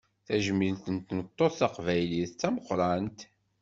Tajmilt n tmeṭṭut taqbaylit, d tameqqrant.